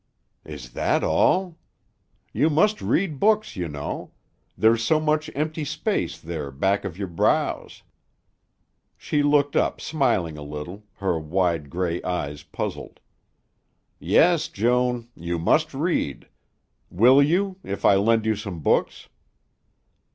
"Is that all? You must read books, you know. There's so much empty space there back of your brows." She looked up smiling a little, her wide gray eyes puzzled. "Yes, Joan. You must read. Will you if I lend you some books?"